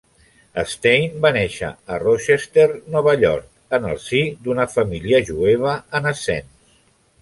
Stein va néixer a Rochester, Nova York, en el si d'una família jueva en ascens.